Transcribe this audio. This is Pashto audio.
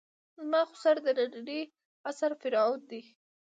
زما خُسر د نني عصر فرعون ده.